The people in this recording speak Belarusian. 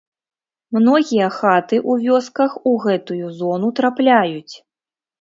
Многія хаты ў вёсках у гэтую зону трапляюць.